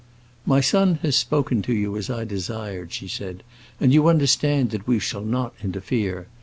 "My son has spoken to you as I desired," she said, "and you understand that we shall not interfere.